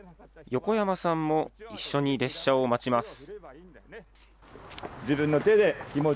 横山さんも一緒に列車を待ちます。